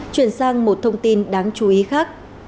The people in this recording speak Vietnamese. chuyển sang một thông tin đáng chú ý khác